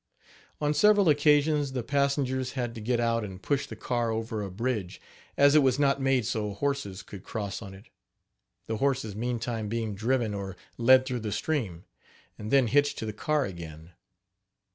On several occasions, the passengers had to get out, and push the car over a bridge, as it was not made so horses could cross on it, the horses meantime being driven or led through the stream, and then hitched to the car again.